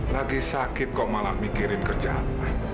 lagi sakit kok malah mikirin kerjaan